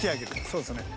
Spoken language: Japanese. そうですね。